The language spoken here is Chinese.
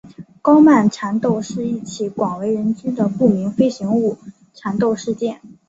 高曼缠斗是一起广为人知的不明飞行物缠斗事件。